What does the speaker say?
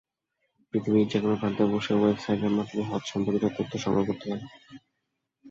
পৃথিবীর যেকোনো প্রান্তে বসে ওয়েবসাইটের মাধ্যমে হজ-সম্পর্কিত তথ্য সংগ্রহ করতে পারেন।